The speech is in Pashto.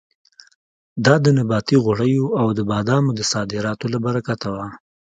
دا د نباتي غوړیو او د بادامو د صادراتو له برکته وه.